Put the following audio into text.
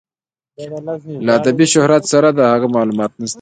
له ادبي شهرت سره د هغه معلومات نشته.